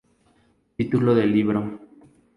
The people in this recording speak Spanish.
Título del libro.